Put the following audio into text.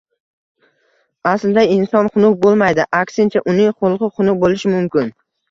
Aslida inson xunuk bo`lmaydi, aksincha uning xulqi xunuk bo`lishi mumkin